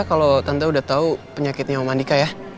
kalo tante udah tau penyakitnya om mandika ya